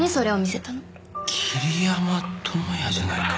桐山友哉じゃないか。